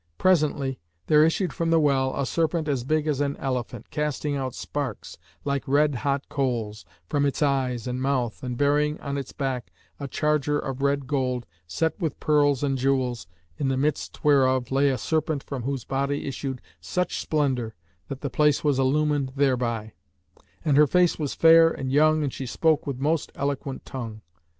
Presently, there issued from the well a serpent as big as an elephant, casting out sparks, like red hot coals, from its eyes and mouth and bearing on its back a charger of red gold, set with pearls and jewels, in the midst whereof lay a serpent from whose body issued such splendour that the place was illumined thereby; and her face was fair and young and she spoke with most eloquent tongue.